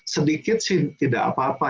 sedikit sih tidak apa apa